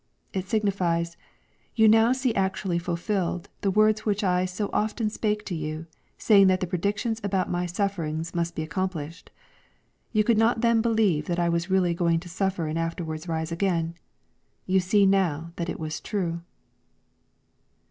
— ^It signifies, " You now see actually fulfilled, the words which I so often spake to you, saying that the predictions about my sufferings must be accom plished. You could not then believe that I was really going to suffer and afterwards rise again. You see now that it was true."